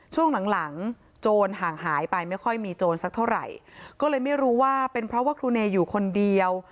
ช่วงหลังหลังโจรห่างหายไปไม่ค่อยมีโจรสักเท่าไหร่ก็เลยไม่รู้ว่าเป็นเพราะว่าครูเนยอยู่คนเดียว